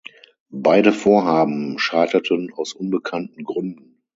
Beide Vorhaben scheiterten aus unbekannten Gründen.